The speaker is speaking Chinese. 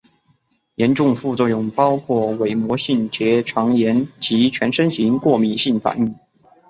严重副作用包含伪膜性结肠炎及全身型过敏性反应。